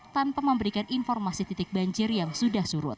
tanpa memberikan informasi titik banjir yang sudah surut